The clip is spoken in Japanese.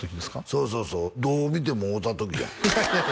そうそうそうどう見ても会うた時やんいや